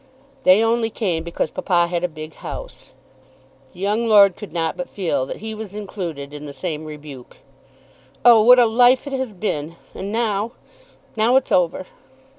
They only came because papa had a big house." The young lord could not but feel that he was included in the same rebuke. "Oh, what a life it has been! And now, now it's over."